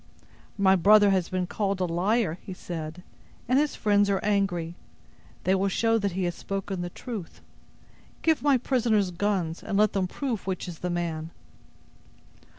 "My brother has been called a liar," he said, "and his friends are angry. They will show that he has spoken the truth. Give my prisoners guns, and let them prove which is the man."